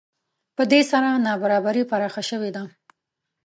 په دې سره نابرابري پراخه شوې ده